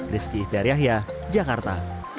rizky ityaryahya jakarta